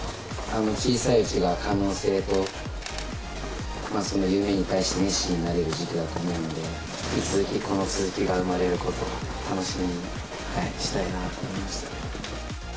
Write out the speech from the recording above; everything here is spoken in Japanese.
小さいうちが、可能性とその夢に対して熱心になれる時期だと思うので、引き続きこの続きが生まれることを楽しみにしたいなと思いました。